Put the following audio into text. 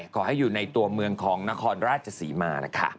ขอให้อยู่ในตัวเมืองของนครราชสิมา